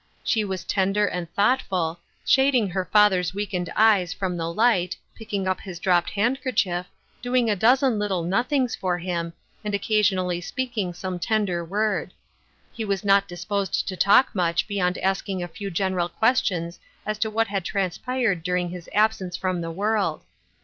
She was tender and thoughtful, " Through a Glass, Darkly r 225 shading her father's weakened eyes from the light, picking up his dropped handkerchief, doing a dozen little nothings for him, and occa sionally speaking some tender word. He was not disposed to talk much beyond asking a few general questions as to what had transpired during his absence from the world.